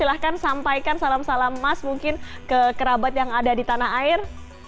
silahkan sampaikan salam salam emas mungkin ke kerabat yang ada di tanah air